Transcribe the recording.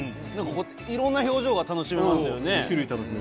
いろんな表情が楽しめますよね。